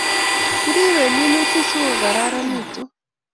Kiripei minutik sikokararanitu